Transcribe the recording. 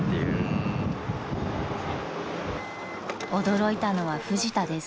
［驚いたのはフジタです］